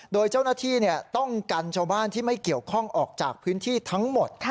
โดยเจ้าหน้าที่ต้องกันชาวบ้านที่ไม่เกี่ยวข้องออกจากพื้นที่ทั้งหมด